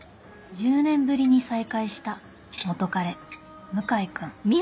１０年ぶりに再会した元カレ向井君